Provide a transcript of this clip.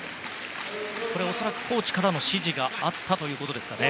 恐らくコーチからの指示があったということですかね。